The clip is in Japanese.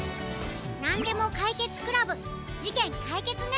なんでもかいけつ倶楽部じけんかいけつね！